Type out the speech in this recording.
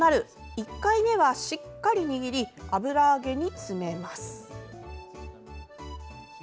１回目はしっかり握り、油揚げに詰めます。